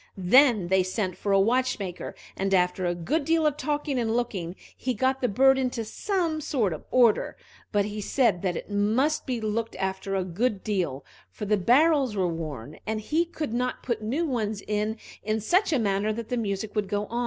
Then they sent for a watchmaker, and after a good deal of talking and looking, he got the bird into some sort of order; but he said that it must be looked after a good deal, for the barrels were worn, and he could not put new ones in in such a manner that the music would go.